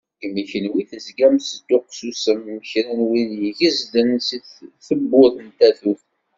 Imi kunwi tezgam tesduqsusem kra n wid igedzen s tewwurt n tatut.